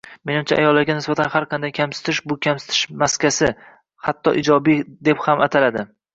Menimcha, ayollarga nisbatan har qanday kamsitish-bu kamsitish maskasi, hatto ijobiy deb ham ataladi